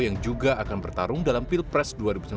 yang juga akan bertarung dalam pilpres dua ribu sembilan belas